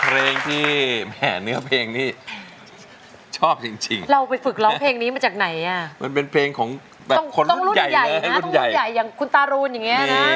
เราไปฝึกร้องเพลงนี้มาจากไหนอ่ะมันเป็นเพลงของต้องรุ่นใหญ่นะต้องรุ่นใหญ่อย่างคุณตารูนอย่างเงี้ยนะ